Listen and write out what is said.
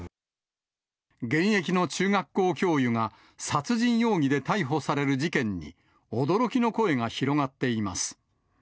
現役の中学校教諭が、殺人容疑で逮捕される事件に、驚きの声が広がっています。